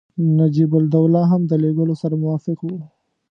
نجیب الدوله هم د لېږلو سره موافق وو.